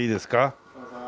どうぞ。